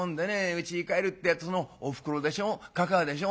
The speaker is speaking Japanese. うちに帰るってえとそのおふくろでしょかかあでしょ